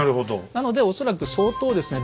なので恐らく相当ですね